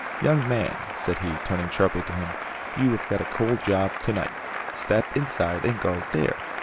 "Young man," said he, turning sharply to him, "you have got a cold job to night. Step inside and guard there."